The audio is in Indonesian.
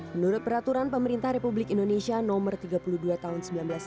menurut peraturan pemerintah republik indonesia nomor tiga puluh dua tahun seribu sembilan ratus sembilan puluh